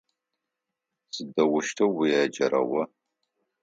Сыдэущтэу уеджэра о?